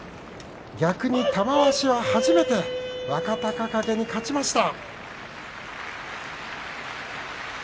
逆に玉鷲は初めて若隆景に勝ちました。